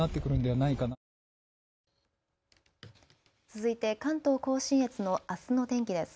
続いて関東甲信越のあすの天気です。